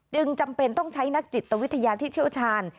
จำเป็นต้องใช้นักจิตวิทยาที่เชี่ยวชาญ